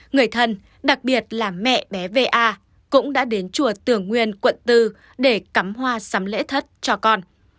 người thân đặc biệt là mẹ bé v a cũng đã đến chùa tường nguyên quận bốn để cắm hoa sắm lễ thất cho con